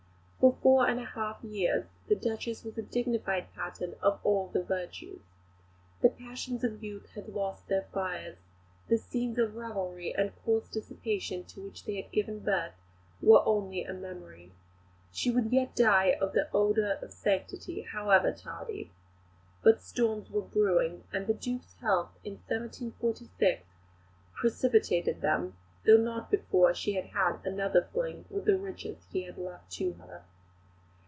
For four and a half years the Duchess was a dignified pattern of all the virtues. The passions of youth had lost their fires; the scenes of revelry and coarse dissipation to which they had given birth were only a memory. She would yet die in the odour of sanctity, however tardy. But storms were brewing, and the Duke's death, in 1746, precipitated them, though not before she had had another fling with the riches he left to her.